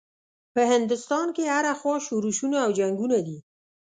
په هندوستان کې هره خوا شورشونه او جنګونه دي.